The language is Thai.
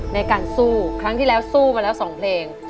ในการสู้ครั้งที่แล้วสู้มาแล้ว๒เพลง